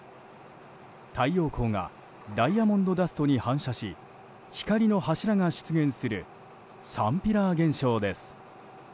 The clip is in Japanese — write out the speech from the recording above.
太陽光がダイヤモンドダストに反射し光の柱が出現するサンピラー現象です。